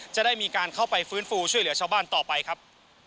จะได้มีการเข้าไปฟื้นฟูช่วยเหลือชาวบ้านต่อไปครับ